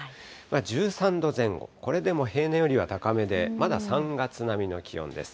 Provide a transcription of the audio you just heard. １３度前後、これでも平年よりは高めで、まだ３月並みの気温です。